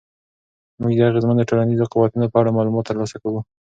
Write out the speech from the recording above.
موږ د اغېزمنو ټولنیزو قوتونو په اړه معلومات ترلاسه کوو.